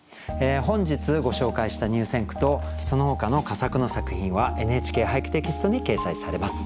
本日ご紹介した入選句とそのほかの佳作の作品は「ＮＨＫ俳句」テキストに掲載されます。